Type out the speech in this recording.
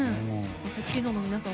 ＳｅｘｙＺｏｎｅの皆さん